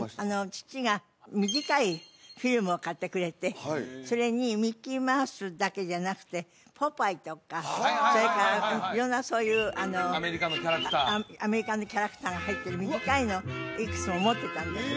父が短いフィルムを買ってくれてそれにミッキーマウスだけじゃなくてポパイとかそれから色んなそういうアメリカのキャラクターアメリカのキャラクターが入ってる短いのをいくつも持ってたんです